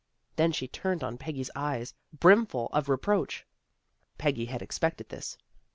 Then she turned on Peggy eyes brimful of reproach. Peggy had expected this.